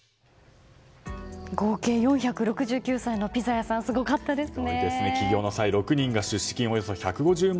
合計４６９歳のピザ屋さんすごかったですね。